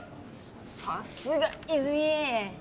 さすが泉